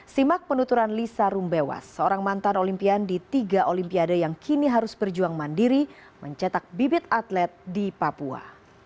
simak penuturan lisa rumbewas seorang mantan olimpian di tiga olimpiade yang kini harus berjuang mandiri mencetak bibit atlet di papua